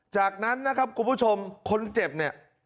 จากนั้นนะครับคุณผู้ชมคนเจ็บเนี่ย